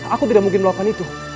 aku tidak mungkin melakukan itu